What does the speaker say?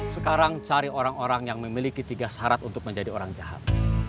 sekarang cari orang orang yang memiliki tiga syarat untuk menjadi orang jahat